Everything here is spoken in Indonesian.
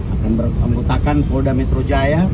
akan beranggotakan polda metro jaya